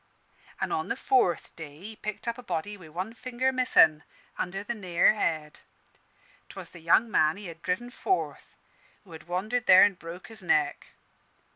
An' on the fourth day he picked up a body wi' one finger missin', under the Nare Head. 'Twas the young man he had driven forth, who had wandered there an' broke his neck.